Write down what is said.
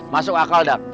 masuk akal dak